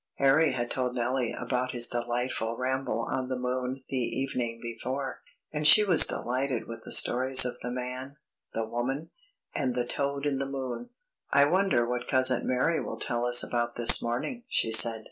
Harry had told Nellie about his delightful ramble on the moon the evening before, and she was delighted with the stories of the man, the woman, and the toad in the moon. "I wonder what cousin Mary will tell us about this morning," she said.